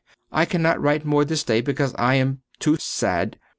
I cannot write more this day because I am too much sad.